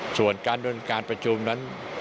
ส่วนการเดินการประชุมนั้น